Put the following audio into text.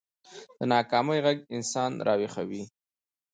د ناکامۍ غږ انسان راويښوي